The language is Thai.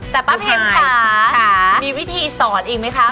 แต่ป้าพิมท์ค่ะมีวิธีสอนไหมคะถึงทำไม